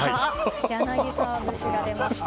柳澤節が出ました。